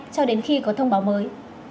cho đến khi có thông báo mới